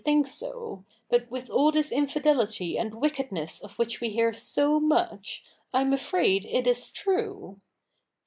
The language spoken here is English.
ii think so ; but, with all this intidelity and wickedness of which we hear so much, I'm afraid it is true.